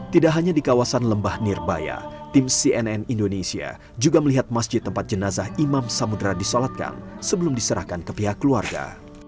tidak hanya di kawasan lembah nirbaya tim cnn indonesia juga melihat masjid tempat jenazah imam samudera disolatkan sebelum diserahkan ke pihak keluarga